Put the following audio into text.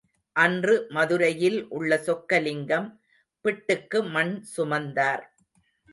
அன்று மதுரையில் உள்ள சொக்கலிங்கம் பிட்டுக்கு மண் சுமந்தார்.